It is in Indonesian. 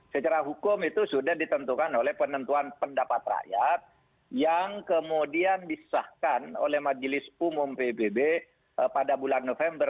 secara hukum itu sudah ditentukan oleh penentuan pendapat rakyat yang kemudian disesahkan oleh majelis umum pbb pada bulan november dua ribu dua puluh